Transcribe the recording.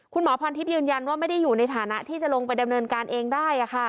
คุณหมอพรทิพย์ยืนยันว่าไม่ได้อยู่ในฐานะที่จะลงไปดำเนินการเองได้